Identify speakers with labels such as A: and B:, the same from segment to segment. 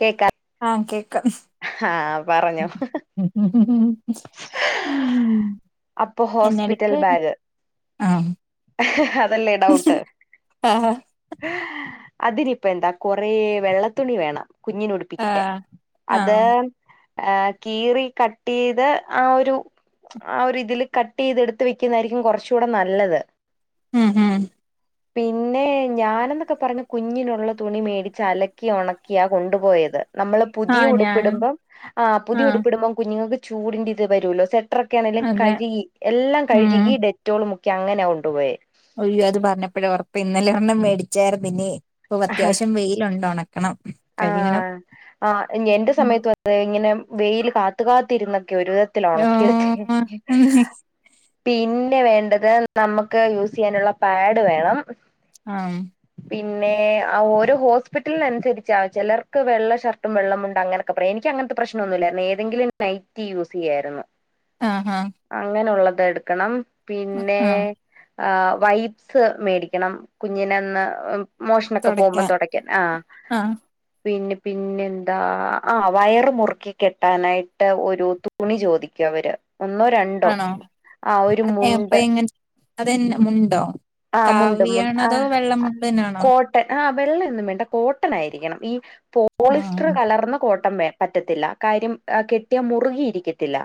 A: കേക്കാം
B: ആ കേക്കാം
A: ആഹ് പറഞ്ഞു.
B: ഉം
A: അപ്പൊ ഹോസ്പിറ്റൽ
B: എന്നെടുക്കുവായിരുന്നു
A: ബാഗ്
B: ആ
A: അതല്ലേ ഡൗട്ട്
B: ആ
A: അതിനിപ്പം എന്താ കൊറെ വെള്ളത്തുണി വേണം.
B: ആ
A: കുഞ്ഞിനുടിപ്പിക്കാൻ
B: ആ
A: അത് ആ കീറി കട്ട് ചെയ്ത് ആ ഒരു ആ ഒരു ഇതിൽ കട്ട് ചെയ്ത് എടുത്ത് വെക്കുന്നതായിരിക്കും കുറച്ച് കൂടെ നല്ലത്.
B: ഉം ഉം
A: പിന്നെ ഞാനെന്നൊക്കെ പറഞ്ഞത് കുഞ്ഞിനുള്ള തുണി മേടിച്ച് അലക്കി ഉണക്കിയാ കൊണ്ടുപോയത് നമ്മള്
B: ആ
A: പുതിയ
B: ഞാൻ
A: ഉടുപ്പിടുമ്പം ആ പുതിയ ഉടുപ്പിടുമ്പം കുഞ്ഞുങ്ങൾക്ക് ചൂടിന്റെ ഇത് വരൂല്ലോ സെറ്റ് എത്രക്കെയാണേലും
B: അതെ
A: കഴുകി എല്ലാം
B: ഉം
A: കഴുകി ഡെറ്റോൾ മുക്കി ക്ക്യ അങ്ങനാ കൊണ്ടുപോയേ
B: അയ്യോ അത് പറഞ്ഞപ്പോഴാ ഉറപ്പ് ഇന്നലെ ഒരെണ്ണം മേടിച്ചായിരുന്നു ഇനീ ഇപ്പം
A: ആഹ്
B: അത്യാവശ്യം വെയിലുണ്ടണക്ക്
A: ആഹ് ആ എന്റെ
B: ഉം
A: സമയത്ത് വന്നാലിങ്ങനെ വെയിൽ കാത്ത് കാത്തിരുന്ന് ഒരു വിധത്തിൽ
B: ആ
A: ഉണക്കിയെടുത്ത് പിന്നെ വേണ്ടത് നമുക്ക് യൂസ് ചെയ്യാനുള്ള പാഡ് വേണം
B: ആം
A: പിന്നെ ആ ഓരോ ഹോസ്പിറ്റലിനനുസരിച്ച് ചിലർക്ക് വെള്ള ഷർട്ടും വെള്ളമുണ്ടും അങ്ങനൊക്കെ പറയും. എനിക്ക് അങ്ങനത്തെ പ്രശ്നമൊന്നുമില്ലായിരുന്നു ഏതെങ്കിലും നൈറ്റി യൂസ് ചെയ്യായിരുന്നു
B: ആ ആ
A: അങ്ങനുള്ളത് എടുക്കണം പിന്നെ
B: ആ
A: ആ വൈബ്സ് മേടിക്കണം കുഞ്ഞിനന്ന് മോഷനൊക്കെ പോകുമ്പം
B: തുടയ്ക്കാൻ
A: തുടക്കാൻ ആ
B: ആ
A: പിന്നെപ്പിന്നെന്താ ആഹ് വയറ് മുറുക്കി കെട്ടാനായിട്ട് ഒരു തുണി ചോദിക്കും അവര് ഒന്നോ രണ്ടോ
B: ആണോ
A: ആ ഒരു മുണ്ട്
B: അതെന്ന മുണ്ടോ
A: ആ മുണ്ട്
B: കാവിയാണോ
A: ആ
B: അതോ വെള്ള മുണ്ടിനാണോ
A: കോട്ടൺ ആ വെള്ളൊന്നും വേണ്ട കോട്ടനായിരിക്കണം ഈ
B: ആ
A: പോളിസ്റ്റർ കലർന്ന കോട്ടൺ വേണം പറ്റത്തില്ല കാര്യം കെട്ടിയ മുറുകിയിരിക്കത്തില്ല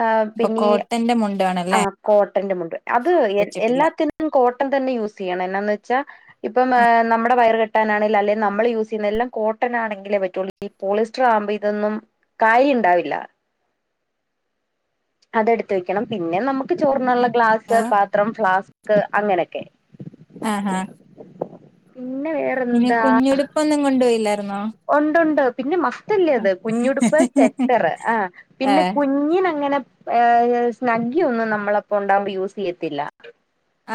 A: ആ
B: അപ്പൊ
A: പിന്നെ
B: കോട്ടന്റെ മുണ്ടാണല്ലേ
A: ആ കോട്ടന്റെ മുണ്ട് അത് എ
B: വെച്ചിട്ടില്ല
A: എല്ലാത്തിനും കോട്ടൺ തന്നെ യൂസ് ചെയ്യണം എന്നാന്ന് വെ ച്ചാ ഇപ്പം ഏ നമ്മുടെ വയർ കെട്ടാൻ ആണേലും അല്ലെങ്കിലും നമ്മളെ യൂസ് ചെയ്യുന്ന എല്ലാം കോട്ടൺ ആണെങ്കിലേ പറ്റുള്ളൂ ഈ പോളിസ്റ്റർ ആവുമ്പോ ഇതൊന്നും കാര്യം ഉണ്ടാവില്ല അതെടുത്ത് വെക്കണം പിന്നെ നമുക്ക് ചോർണുള്ള ഗ്ലാസ്
B: ആഹ്
A: പത്രം ഫ്ലാസ്ക് അങ്ങനൊക്കെ
B: ആ ആ പിന്നെ കുഞ്ഞുടുപ്പ് ഒന്നും കൊണ്ടു പോയില്ല
A: ഉണ്ട് ഉണ്ട് പിന്നെ [unintelligible] അത് കുഞ്ഞുടുപ്പ് സെറ്ററൂ ആ
B: ഏ
A: പിന്നെ കുഞ്ഞിനങ്ങനെ സ്നുഗി ഒന്നും നമ്മളോടൊപ്പം ഉണ്ടകുമ്പോ യൂസ് ചെയ്യത്തില്ല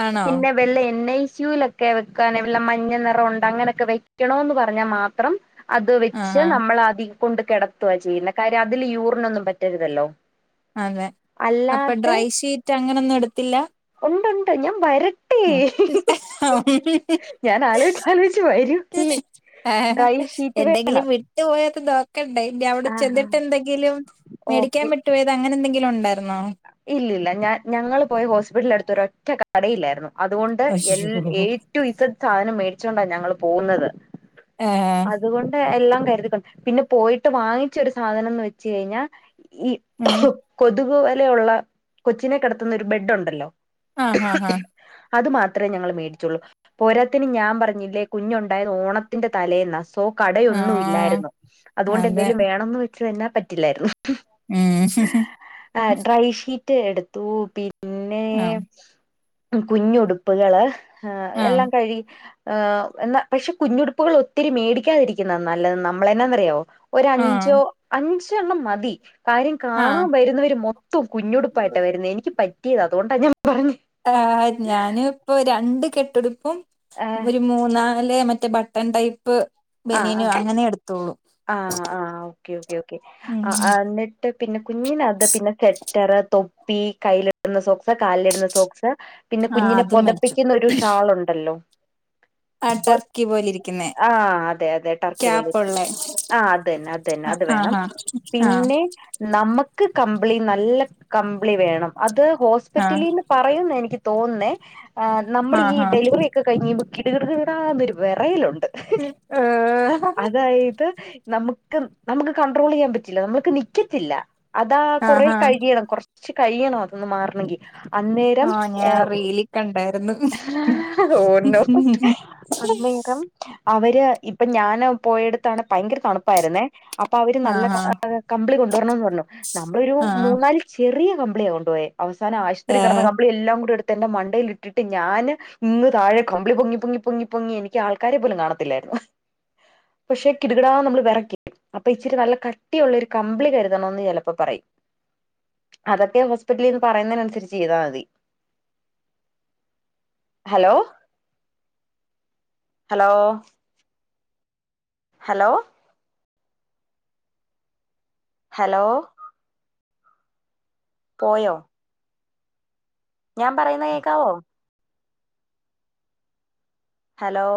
B: ആണോ
A: പിന്നെ വെള്ളെ എന്നൈ ഷൂവിലൊക്കെ വെക്കാനുള്ള മഞ്ഞ നിറം അങ്ങനെയൊക്കെ വെക്കണോന്ന് പറഞ്ഞാൽ മാത്രം അത് വെച്ച്
B: ആഹാ
A: നമ്മൾ ആദി കൊണ്ട് കെടത്തുവാ ചെയ്യുന്നെ കാര്യം അതില് യൂറിൻ ഒന്നും പറ്റരുതല്ലോ
B: അതെ അപ്പ
A: അല്ലാതെ
B: ഡ്രൈ ഷീറ്റ് അ അങ്ങനൊന്നും എടുത്തില്ല
A: ഉണ്ട്ണ്ട് ഞാൻ വര ഞാൻ ആലോചിച്ച് ആലോചിച്ച് വരൂല്ലേ
B: ഏ ഹേ
A: ഡ്രൈ ഷീറ്റ് വേ
B: എന്തെങ്കിലും വിട്ടുപോയാൽ [unintelligible] ക്കെണ്ടായ്ന്റെ അവിടെ
A: ആ ആ
B: ചെന്നിട്ട് എന്തെങ്കിലും മേടിക്കാൻ വിട്ടുപോയത് അങ്ങനെന്തെങ്കിലും ക്കെയുണ്ടായ്
A: ഇല്ലല്ല ഞാൻ ഞങ്ങള് പോയ ഹോസ്പിറ്റലിന്റെ അടുത്തൊരൊറ്റ ഒറ്റ കടയില്ലായിരുന്നു അതുകൊണ്ട്
B: അയ്യോ
A: എല്ല ഏ റ്റു ഇസഡ് സാധനം മേടി ച്ചോണ്ടാ ഞങ്ങള് പോവ്ന്നത്
B: ആഹ്
A: അതുകൊണ്ട് എല്ലാം [unintelligible] പിന്നെ പോയിട്ട് വാങ്ങിച്ചൊരു സാധനം എന്ന് വെച്ച് കഴിഞ്ഞാ ഈ
B: ഉം
A: കൊ തുക് വ ലയൊള്ള കൊച്ചിനെ കെടത്തുന്നൊരു ബെഡൊണ്ടല്ലോ
B: ആഹ്‌ ഹാ ഹാ
A: അതു മാത്രേ ഞങ്ങള് മേടിച്ചൊള്ളൂ പോരാത്തതിന് ഞാൻ പറഞ്ഞില്ലേ കുഞ്ഞുണ്ടായത് ഓണത്തിന്റെ തലേന്നാ സോ കടയൊന്നും
B: ആഹ്
A: ഇല്ലായിരുന്നു അതുകൊണ്ട്
B: അതെ
A: എന്തേലും വേണന്ന് വെ [unintelligible] തെന്നാ പറ്റില്ലായിരുന്നു
B: ഉം
A: ആ ഡ്രൈ ഷീ റ്റ് എടുത്തു പി ന്നേ
B: ആഹ്
A: കുഞ്ഞുടുപ്പുകള് ഹാ
B: ആഹ്
A: എല്ലാം കഴി ഏഹ് എന്നാ പക്ഷെ കുഞ്ഞുടുപ്പുകൾ ഒത്തിരി മേടിക്കാതിരിക്കുന്ന നല്ലത് നമ്മള എന്നാെന്നറിയോ ഒര അഞ്ചോ
B: ആഹ്
A: അഞ്ച്. ഞ്ചെണ്ണം മതി. കാര്യം
B: ആഹ്
A: കാണാൻ വരുന്നവരും. മൊത്തം കുഞ്ഞുടുപ്പായിട്ടാ വരുന്നേ എനിക്ക് പ റ്റി അതോണ്ടാ ഞ
B: ആഹ് ഞാന്‌ ഇപ്പൊ രണ്ട് കെട്ടു ടുപ്പും
A: ആഹ്
B: ഇവരു മൂന്നാ ല്ലെ മറ്റേ ബട്ടൺ ടൈപ്പ്
A: ആഹ്
B: ബനിയന് അങ്ങനെ എടു
A: ആഹ് ആഹ് ഓക്കെ ഓക്കെ ഓക്കെ
B: ഉം
A: ആഹ് ന്നിട്ട് പിന്നെ കുഞ്ഞിനത് പിന്നെ സെറ്റർ തൊ പീ കൈയ്യിലിടുന്ന സോക്സ്, കാലിൽടുന്ന സോക്സ സ് പിന്നെ
B: ആഹ്
A: കുഞ്ഞിനെ
B: അതും
A: പൊതപ്പിക്കുന്ന ഒരു ഷാള് ഉണ്ടല്ലോ
B: ആഹ് ടർക്കി പോലിരിക്കുന്ന
A: ആഹ് അതെ അതെ ടർക്കി പോലെ
B: ക്യാപ്പ് ഉള്ളെ
A: ആഹ് അതന്നെ അതന്നെ അത് വേണം പിന്നെ നമ്മക്ക് കം മ്പിളി നല്ല കമ്പിളി വേണം അത്
B: ആഹ്
A: ഹോസ്പിറ്റലിൽ ന്ന് പറയും എനിക്ക് തോന്നു ണേ ആഹ് നമ്മളീ
B: ആഹ് ആഹ് ആഹ്
A: ഡെലിവറി ഒക്കെ കയ്ഞ്ഞി ബ് കിടുകിട്കിടാന്നൊരു വെറയലാെ ണ്ട്
B: ഏഹ്
A: അതായത് നമുക്ക് നമുക്ക് കണ്ട്രോളെയ്യാം പറ്റില്ല നമ്മൾക്ക് നിക്കത്തില്ല അതാ കൊറേ
B: ആഹാ
A: കഴിയണം കൊർ ച്ച് കഴിയണം അതൊന്ന് മാർണെങ്കി അന്നേരം
B: ആഹ്
A: എ
B: ഞാൻ റീലി കണ്ടായിരുന്നു
A: ഒന്നോ അന്നേരം അവര് ഇപ്പൊ ഞാന് പോയെട്ത്താണ് ഭയങ്കര തണുപ്പായിരന്നേ അപ്പൊ അവര്
B: ആഹ്
A: നല്ല ക
B: ആഹ്
A: കമ്പിളി കൊണ്ട് [unintelligible] നമ്മളൊരു
B: ആഹ്
A: മുന്നാല് ചെറിയ കം കൊണ്ട പോയ അവസാന ആശുത്രി
B: ഏഹ്
A: കിടന്ന കമ്പിളി എല്ലാം കൂടെ എടുത്ത് എന്റെ മണ്ടൽ ഇട്ടിട്ട് ഞാൻ ഇന്ന് താഴെ കമ്പിളി പൊങ്ങി പൊങ്ങി പൊങ്ങി പൊങ്ങി എനിക്ക് ആൾക്കാരെ പോലും കാണത്തില്ലായിരുന്നു പക്ഷെ കിടുകിടാന്ന് നമ്മൾ വിറക്കും അപ്പൊ ഇച്ചിരി നല്ല കട്ടിയുള്ള ഒരു കമ്പിളി കരുതണന്ന് ചിലപ്പോ പറയും അതൊക്കെ ഹോസ്പിറ്റലന്ന് പറയുന്നതിന അനുസരിച്ച് ചെയ്താൽ മതി ഹലോ ഹലോ ഹലോ ഹലോ പോയ ഞാൻ പറയുന്ന കേക്കാവോ ഹലോ